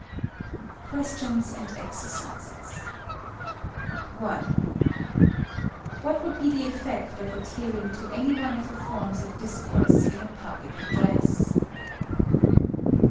QUESTIONS AND EXERCISES 1. What would be the effect of adhering to any one of the forms of discourse in a public address?